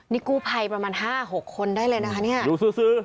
นี่กู้ภัยประมาณ๕๖คนได้เลยนะคะนี่อยู่ซื้อ